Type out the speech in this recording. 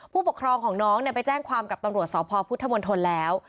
ผู้ปกครองของน้องไปแจ้งความกับตำรวจสพพุทธมณฑลแล้ว